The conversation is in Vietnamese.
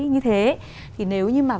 như thế thì nếu như mà